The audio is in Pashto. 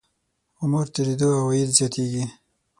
عمر تېرېدو عواید زیاتېږي.